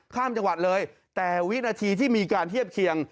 ข้ามจังหวัดเลยแต่วินาทีที่มีการเทียบเคียง